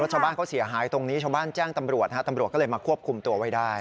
ชาวบ้านเขาเสียหายตรงนี้ชาวบ้านแจ้งตำรวจฮะตำรวจตำรวจก็เลยมาควบคุมตัวไว้ได้